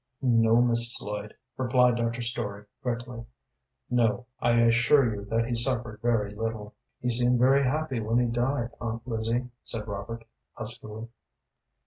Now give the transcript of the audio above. "No, Mrs. Lloyd," replied Dr. Story, quickly. "No, I assure you that he suffered very little." "He seemed very happy when he died, Aunt Lizzie," said Robert, huskily.